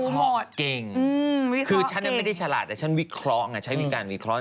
เพราะเก่งคือฉันไม่ได้ฉลาดแต่ฉันวิเคราะห์ไงใช้วิการวิเคราะห